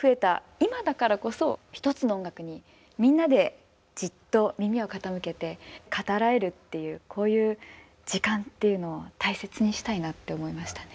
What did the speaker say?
今だからこそ１つの音楽にみんなでじっと耳を傾けて語らえるっていうこういう時間っていうのを大切にしたいなって思いましたね。